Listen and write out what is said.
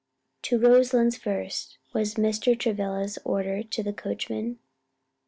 "To Roselands first," was Mr. Travilla's order to the coachman.